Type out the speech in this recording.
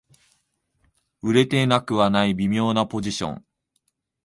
売れてなくはない微妙なポジション